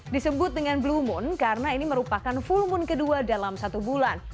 disebut dengan blue moon karena ini merupakan full moon kedua dalam satu bulan